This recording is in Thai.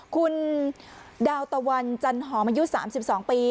คุณดาวตะวันจันหอมายุสามสิบสองปี